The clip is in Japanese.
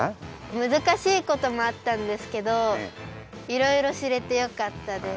むずかしいこともあったんですけどいろいろしれてよかったです。